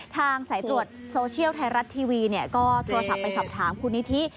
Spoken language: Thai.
สายตรวจโซเชียลไทยรัฐทีวีก็โทรศัพท์ไปสอบถามคุณนิธิ